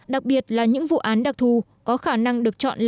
đặc biệt là những vụ án đặc thù có khả năng được chọn làm án lệ